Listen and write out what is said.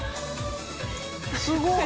すごい。